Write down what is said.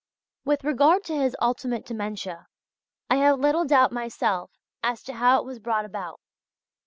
With regard to his ultimate dementia, I have little doubt myself as to how it was brought about.